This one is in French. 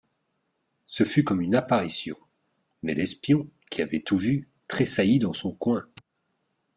Ce fut comme une apparition ; mais l'espion, qui avait tout vu, tressaillit dans son coin.